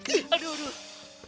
ih aduh aduh